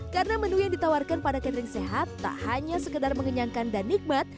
karena menu yang ditawarkan pada catering sehat tak hanya sekedar mengenyangkan dan nikmat